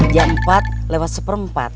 jam empat lewat seperempat